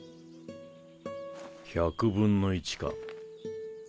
１００分の１か。